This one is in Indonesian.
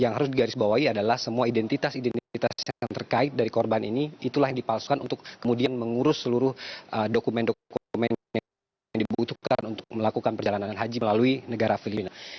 yang harus digarisbawahi adalah semua identitas identitas yang terkait dari korban ini itulah yang dipalsukan untuk kemudian mengurus seluruh dokumen dokumen yang dibutuhkan untuk melakukan perjalanan haji melalui negara filipina